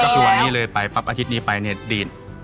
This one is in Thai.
ก็คือวันนี้เลยไปปั๊บอาทิตย์นี้ไปเนี่ยดีอาทิตย์เลย